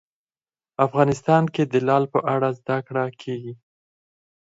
افغانستان کې د لعل په اړه زده کړه کېږي.